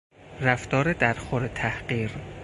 رفتار در خور تحقیر